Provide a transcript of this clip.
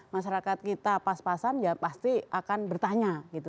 masyarakat kita pas pasan ya pasti akan bertanya gitu